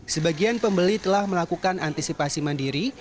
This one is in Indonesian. sebagian pembeli telah melakukan antisipasi mandiri